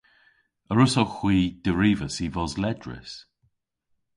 A wrussowgh hwi derivas y vos ledrys?